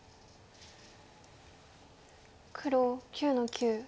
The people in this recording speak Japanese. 黒９の九。